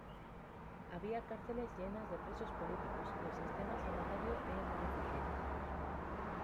Había cárceles llenas de presos políticos y el sistema sanitario era muy deficiente.